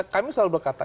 kami selalu berkata